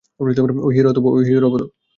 ঐ হিরো হব তো?